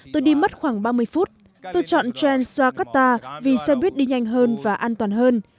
tôi chọn trans jakarta vì xe buýt đi nhanh hơn và an toàn hơn